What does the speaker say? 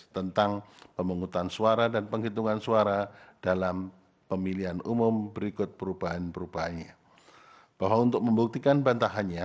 tentang pemengusian baju putih